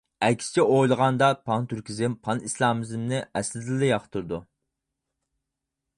ئەكسىچە ئويلىغاندا، پانتۈركىزم، پانئىسلامىزمنى ئەسلىدىنلا ياقتۇرىدۇ.